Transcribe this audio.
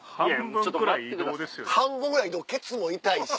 半分ぐらい移動ケツも痛いし。